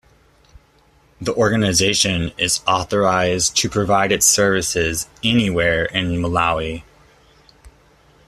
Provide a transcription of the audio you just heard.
The organization is authorized to provide its services anywhere in Malawi.